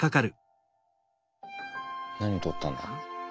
何とったんだ？